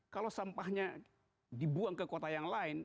kalau sampahnya dibuang ke kota yang lain